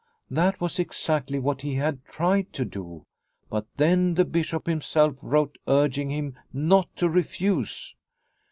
That was exactly what he had tried to do, but then the bishop himself wrote urging him not to refuse.